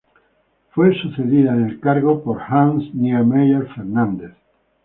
Fue sucedida en el cargo por Hans Niemeyer Fernández.